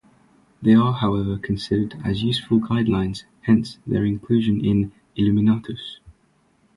They are however considered as useful guidelines, hence their inclusion in "Illuminatus!".